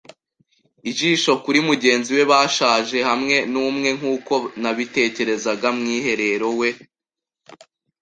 ijisho kuri mugenzi we bashaje hamwe numwe, nkuko nabitekerezaga, mwiherero we.